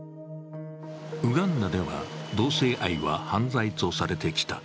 ウガンダでは同性愛は犯罪とされてきた。